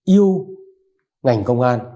yêu ngành công an